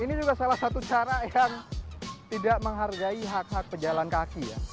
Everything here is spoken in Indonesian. ini juga salah satu cara yang tidak menghargai hak hak pejalan kaki ya